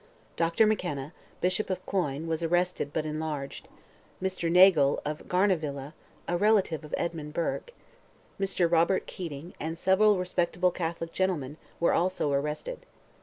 Dr. McKenna, Bishop of Cloyne, was arrested but enlarged; Mr. Nagle, of Garnavilla (a relative of Edmund Burke), Mr. Robert Keating, and several respectable Catholic gentlemen, were also arrested.